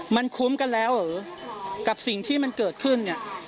มันคุ้มกันแล้วกับสิ่งที่มันเกิดขึ้น